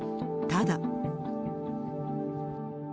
ただ。